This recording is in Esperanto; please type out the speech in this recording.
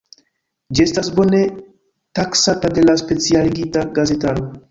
Ĝi estas bone taksata de la specialigita gazetaro.